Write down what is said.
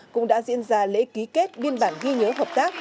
cũng đã diễn ra lễ ký kết biên bản ghi nhớ hợp tác